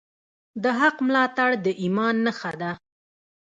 د حق ملاتړ د ایمان نښه ده.